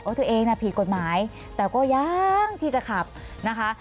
ตัวเองน่ะผิดกฎหมายแต่ก็ยังที่จะขับนะคะ